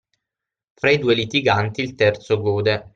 Fra i due litiganti il terzo gode.